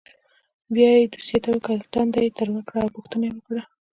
بیا یې دوسیې ته وکتل ټنډه یې تروه کړه او پوښتنه یې وکړه.